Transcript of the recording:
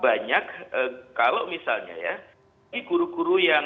banyak kalau misalnya ya ini guru guru yang